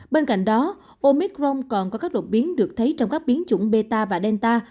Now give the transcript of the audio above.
bên cạnh đó omicron còn có các đột biến được thấy trong các biến chủng beta và delta